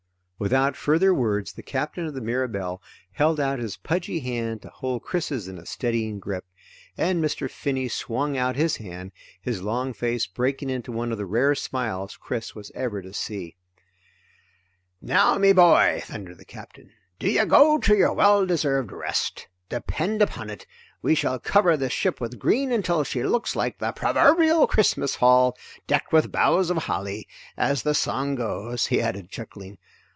Without further words the Captain of the Mirabelle held out his pudgy hand to hold Chris's in a steadying grip, and Mr. Finney swung out his hand, his long face breaking into one of the rare smiles Chris was ever to see on it. "Now, me boy," thundered the Captain, "do you go to your well deserved rest. Depend upon it, we shall cover the ship with green until she looks like the proverbial Christmas hall decked with boughs of holly, as the song goes!" he added chuckling.